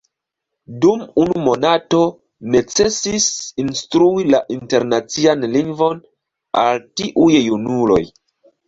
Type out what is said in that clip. Dum unu monato necesis instrui la Internacian Lingvon al tiuj junuloj.